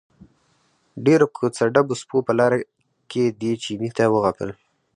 ډېرو کوڅه ډبو سپو په لاره کې دې چیني ته وغپل.